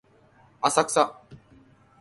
浅草